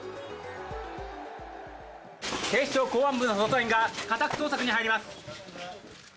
警視庁公安部の捜査員が家宅捜索に入ります。